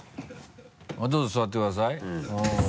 どうぞ座ってください。